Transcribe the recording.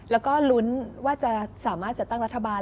แล้วก็ลุ้นว่าจะสามารถจัดตั้งรัฐบาล